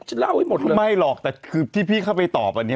เล่าให้หมดหรือไม่หรอกแต่คือที่พี่เข้าไปตอบอันนี้